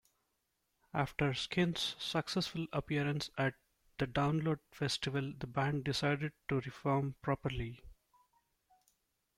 After Skin's successful appearance at the Download Festival the band decided to reform properly.